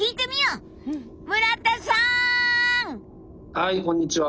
☎はいこんにちは。